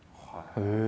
へえ！